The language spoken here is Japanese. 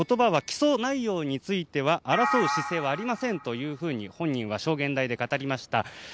起訴内容については争う姿勢はありませんというふうに本人は証言台で語りました。